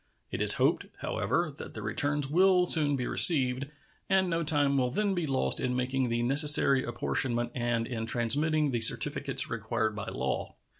It is hoped, however, that the returns will soon be received, and no time will then be lost in making the necessary apportionment and in transmitting the certificates required by law.